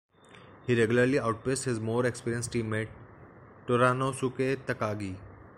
He regularly out-paced his more experienced teammate Toranosuke Takagi.